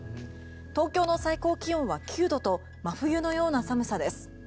東京の最高気温は９度と真冬のような寒さです。